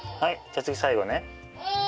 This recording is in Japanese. じゃあ次最後ね！